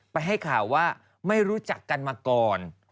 ให้ข่าวว่าไม่รู้จักกันมาก่อน